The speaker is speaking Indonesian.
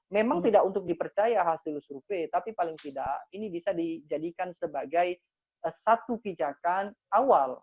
memang tidak untuk dipercaya hasil survei tapi paling tidak ini bisa dijadikan sebagai satu pijakan awal